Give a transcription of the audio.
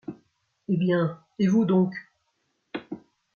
Eh bien, et vous donc !